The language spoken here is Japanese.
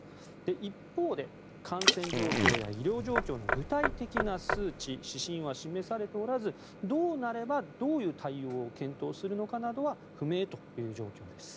一方で感染状況や医療状況の具体的な数値、指針は示されておらずどうなればどういう対応を検討するのかなどは不明という状況です。